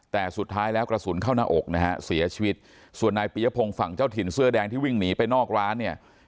แต่สุดท้ายแล้วกระสุนเข้าหน้าอกนะฮะเสียชีวิตส่วนนายปียพงศ์ฝั่งเจ้าถิ่นเสื้อแดงที่วิ่งหนีไปนอกร้านเนี่ย